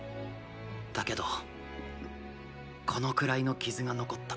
だけどこのくらいの傷が残った。